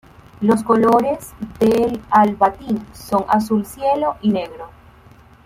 Los colores del Al-Batin son azul cielo y negro.